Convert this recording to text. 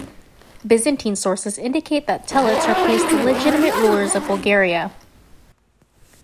Byzantine sources indicate that Telets replaced the legitimate rulers of Bulgaria.